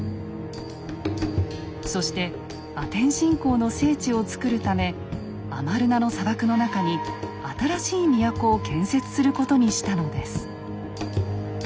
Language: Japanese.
そしてアテン信仰の聖地をつくるためアマルナの砂漠の中に新しい都を建設することにしたのです。